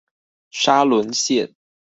沙崙線